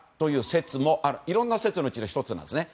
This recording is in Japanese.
それもいろんな説のうちの１つなんですね。